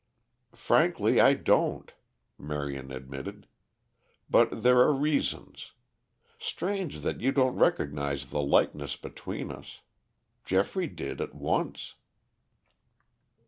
"Frankly, I don't," Marion admitted. "But there are reasons. Strange that you don't recognize the likeness between us. Geoffrey did at once."